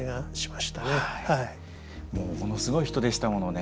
もうものすごい人でしたものね。